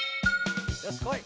よしこい！